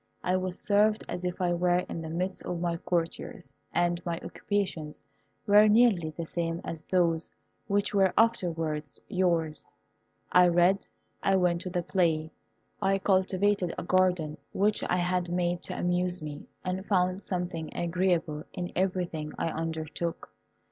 I was served as if I were in the midst of my courtiers, and my occupations were nearly the same as those which were afterwards yours. I read, I went to the play, I cultivated a garden which I had made to amuse me, and found something agreeable in everything I undertook.